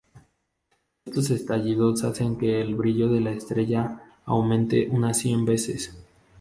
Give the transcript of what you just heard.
Estos estallidos hacen que el brillo de la estrella aumente unas cien veces.